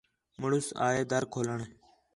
مُݨس آ ہے دَر کھولݨ